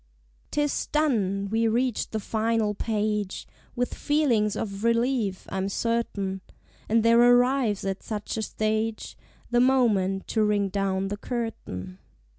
_ 'Tis done! We reach the final page, With feelings of relief, I'm certain; And there arrives at such a stage, The moment to ring down the curtain.